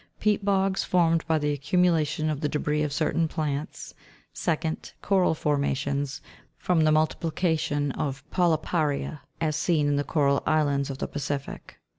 Peat bogs, formed by the accumulation of the debris of certain plants. 2d. Coral formations, from the multiplication of polypa'ria as seen in the coral islands of the Pacific.